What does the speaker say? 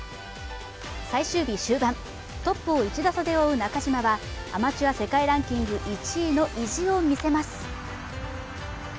最終日終盤、トップを１打差で追う中島はアマチュア世界ランキング１位の意地を見せます。